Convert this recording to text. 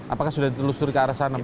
apakah sudah ditelusur ke arah sana pak